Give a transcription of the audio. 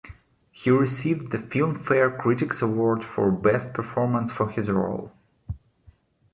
He received the Filmfare Critics Award for Best Performance for his role.